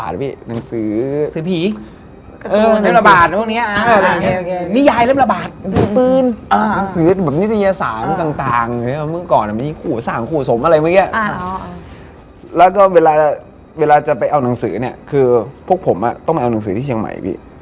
ดูแนวไหนยังไง